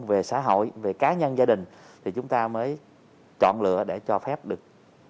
về xã hội về cá nhân gia đình thì chúng ta mới chọn lựa để cho phép được